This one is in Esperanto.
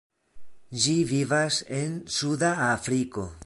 Ĝi vivas en Suda Afriko.